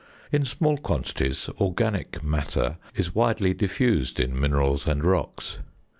In small quantities "organic matter" is widely diffused in minerals and rocks.